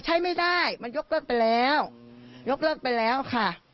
ใช้ไม่ได้มันยกเลิกไปแล้วยกเลิกไปแล้วค่ะ